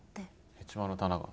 ヘチマの棚が。